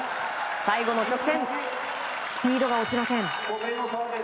最後の直線スピードが落ちません。